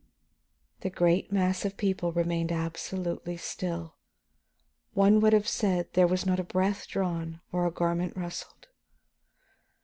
The great mass of people remained absolutely still. One would have said there was not a breath drawn or a garment rustled.